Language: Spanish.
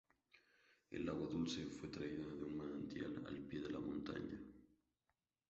El agua dulce fue traída de un manantial al pie de la montaña.